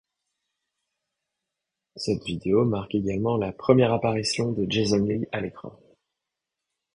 Cette vidéo marque également la première apparition de Jason Lee à l'écran.